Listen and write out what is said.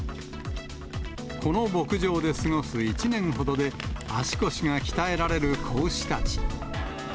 この牧場で過ごす１年ほどで、足腰が鍛えられる子牛たち。